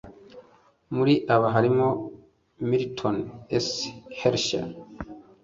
Muri aba harimo Milton S. Hershey